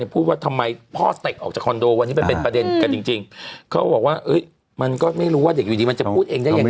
พูดว่าทำไมพ่อเตะออกจากคอนโดวันนี้มันเป็นประเด็นกันจริงเขาบอกว่ามันก็ไม่รู้ว่าเด็กอยู่ดีมันจะพูดเองได้ยังไง